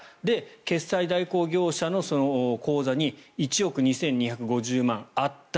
決済代行業者の口座に１憶２２５０万あった。